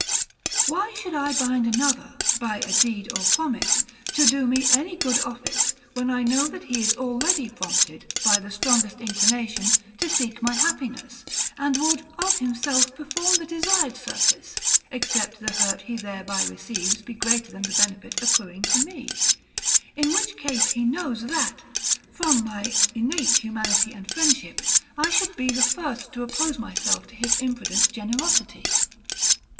Why should I bind another, by a deed or promise, to do me any good office, when I know that he is already prompted, by the strongest inclination, to seek my happiness, and would, of himself, perform the desired service; except the hurt, he thereby receives, be greater than the benefit accruing to me? in which case, he knows, that, from my innate humanity and friendship, I should be the first to oppose myself to his imprudent generosity.